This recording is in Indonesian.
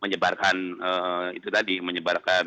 menyebarkan itu tadi menyebarkan